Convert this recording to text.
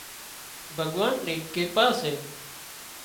ڀڳوانَ نِي ڪرپا سي